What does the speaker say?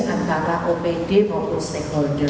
antara opd maupun stakeholder